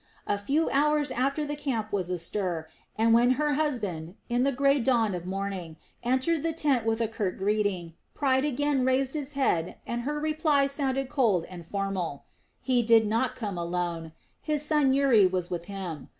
A few hours after the camp was astir and when her husband, in the grey dawn of morning, entered the tent with a curt greeting, pride again raised its head and her reply sounded cold and formal. He did not come alone; his son Uri was with him.